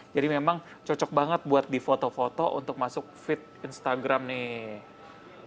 jadi memang cocok banget buat di foto foto untuk masuk feed instagram nih